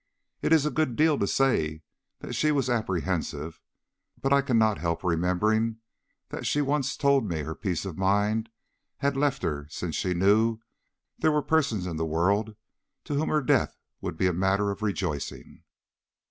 "It is a good deal to say that she was apprehensive; but I cannot help remembering that she once told me her peace of mind had left her since she knew there were persons in the world to whom her death would be a matter of rejoicing.